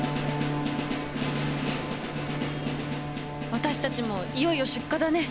私たちもいよいよ出荷だね。